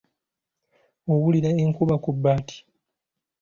Owulira enkuba ku bbaati?